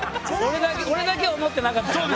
俺だけは思ってなかったからな。